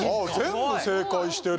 全部正解してる。